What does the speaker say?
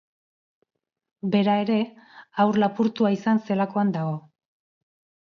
Bera ere, haur lapurtua izan zelakoan dago.